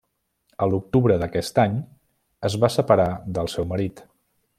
A l'octubre d'aquest any es va separar del seu marit.